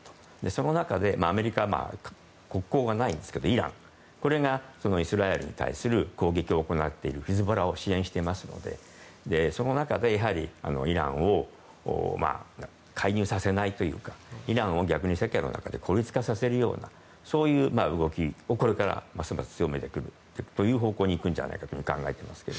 その中でアメリカは国交がないんですけどイランこれがイスラエルに対する攻撃を行っているヒズボラを支援していますのでその中でイランを介入させないというかイランを逆に世界の中で孤立化させるようなそういう動きをこれからますます強める方向に行くのではないかと考えています。